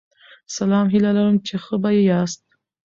سلام هیله لرم چی ښه به یاست